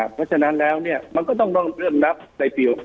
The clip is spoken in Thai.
เพราะฉะนั้นแล้วเนี่ยมันก็ต้องเริ่มนับในปี๖